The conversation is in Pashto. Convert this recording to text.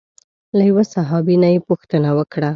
له یوه صحابي نه یې پوښتنه وکړه.